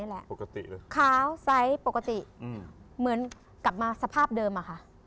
สายพาวสายปกติเหมือนกลับมาสภาพเดิมอะค่ะ